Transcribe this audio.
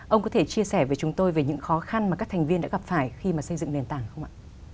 ông có thể chia sẻ với chúng tôi về những khó khăn mà các thành viên đã gặp phải khi mà xây dựng nền tảng không ạ